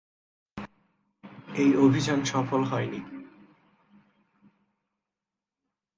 এই অভিযান সফল হয়নি।